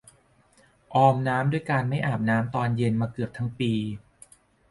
ออมน้ำด้วยการไม่อาบน้ำตอนเย็นมาเกือบทั้งปี